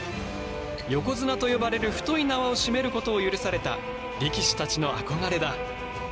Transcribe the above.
横綱と呼ばれる太い縄を締めることを許された力士たちの憧れだ。